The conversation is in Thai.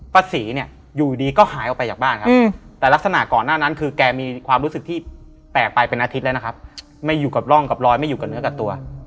ป้าศรีเนี่ยอยู่ดีก็หายออกไปจากบ้านครับแต่ลักษณะก่อนหน้านั้นคือแกมีความรู้สึกที่แปลกไปเป็นอาทิตย์แล้วนะครับไม่อยู่กับร่องกับรอยไม่อยู่กับเนื้อกับตัว